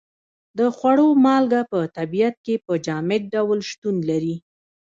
د خوړو مالګه په طبیعت کې په جامد ډول شتون لري.